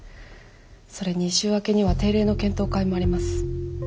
それに週明けには定例の検討会もあります。